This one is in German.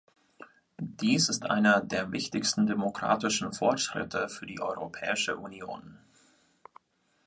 Dies ist einer der wichtigsten demokratischen Fortschritte für die Europäische Union.